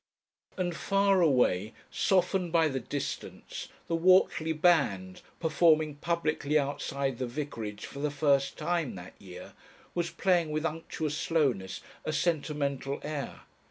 And far away, softened by the distance, the Whortley band, performing publicly outside the vicarage for the first time that year, was playing with unctuous slowness a sentimental air.